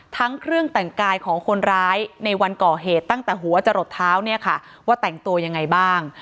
ทั้งเครื่องแต่งกายของคนร้ายในวันก่อเหตุตั้งแต่หัวจะหลดเท้าเนี่ยค่ะว่าแต่งตัวยังไงบ้าง